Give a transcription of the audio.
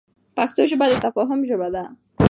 پښتو ژبه د تفاهم ژبه ده.